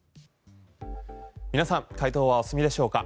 皆さん解答はお済みでしょうか？